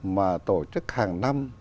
mà tổ chức hàng năm